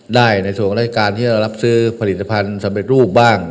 ได้ในส่วนราชการที่เรารับซื้อผลิตภัณฑ์สำเร็จรูปบ้าง